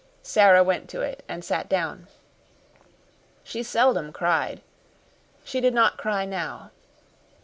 Sara went to it and sat down. She seldom cried. She did not cry now.